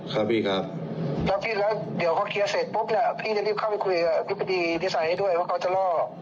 ครับพี่ครับแล้วพี่แล้วเดี๋ยวเขาเคลียร์เสร็จปุ๊บเนี่ยพี่จะรีบเข้าไปคุยกับอธิบดีนิสัยให้ด้วยว่าเขาจะล่อ